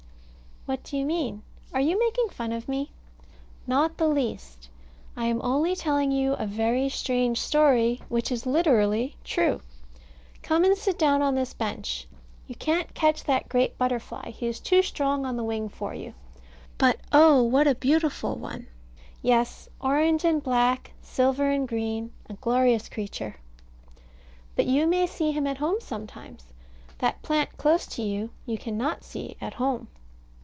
What do you mean? Are you making fun of me? Not the least. I am only telling you a very strange story, which is literally true. Come, and sit down on this bench. You can't catch that great butterfly, he is too strong on the wing for you. But oh, what a beautiful one! Yes, orange and black, silver and green, a glorious creature. But you may see him at home sometimes: that plant close to you, you cannot see at home.